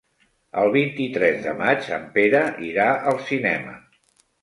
El vint-i-tres de maig en Pere irà al cinema.